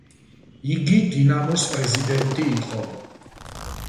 იგი დინამოს პრეზიდენტი იყო.